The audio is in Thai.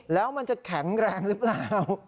แล้วมันจะแข็งแรงหรือเปล่า